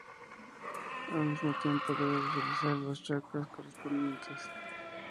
Al mismo tiempo debe visualizar los chakras correspondientes.